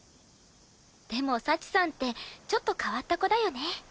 でも幸さんってちょっと変わった子だよね。